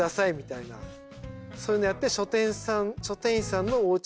そういうのやって。